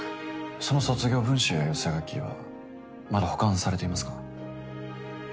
その卒業文集や寄せ書きはまだ保管されていますか？